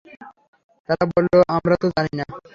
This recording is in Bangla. তারা বলল, আমরা তো জানি না।